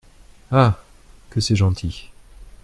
Ah ! que c’est gentil !